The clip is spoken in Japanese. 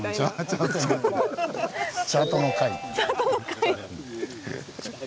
チャートの会！